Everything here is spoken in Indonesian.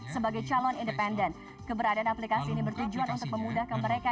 sebagai calon independen keberadaan aplikasi ini bertujuan untuk memudahkan mereka